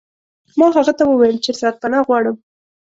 ما هغه ته وویل چې سرپناه غواړم.